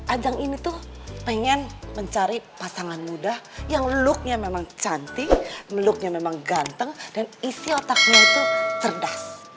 ajang ini tuh pengen mencari pasangan muda yang looknya memang cantik meluknya memang ganteng dan isi otaknya itu cerdas